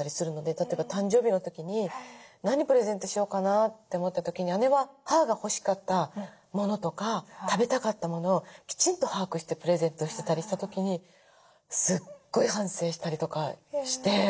例えば誕生日の時に何プレゼントしようかなって思った時に姉は母が欲しかった物とか食べたかった物をきちんと把握してプレゼントをしてたりした時にすっごい反省したりとかして。